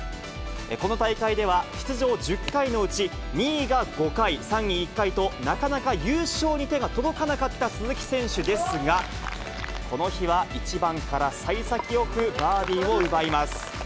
この大会では出場１０回のうち、２位が５回、３位１回と、なかなか優勝に手が届かなかった鈴木選手ですが、この日は１番からさい先よくバーディーを奪います。